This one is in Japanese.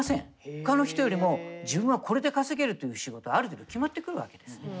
ほかの人よりも自分はこれで稼げるという仕事がある程度決まってくるわけですね。